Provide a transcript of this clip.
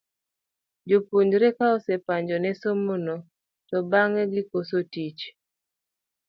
Jopuonjre ka osepanjo ne somo no to bang'e gikoso tich.